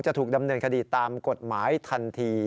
จะถูกดำเนินคดีตามกฎหมายทันที